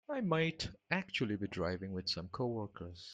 I might actually be driving with some coworkers.